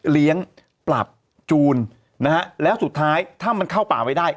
เลี้ยงปรับจูนนะฮะแล้วสุดท้ายถ้ามันเข้าป่าไม่ได้